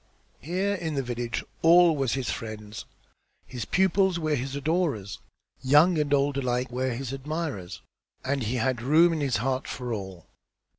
Here in the village all was his friends; his pupils were all his adorers, young and old alike were his admirers, and he had room in his heart for all.